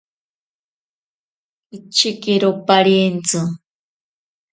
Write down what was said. Pichekero parentsi.